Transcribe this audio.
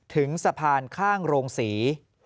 ถึงสะพานข้างโรงศรี